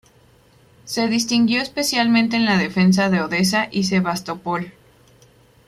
Se distinguió especialmente en la defensa de Odesa y Sebastopol.